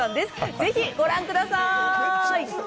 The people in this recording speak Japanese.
ぜひご覧ください！